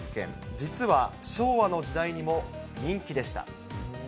実は昭和の時代にも人気でした。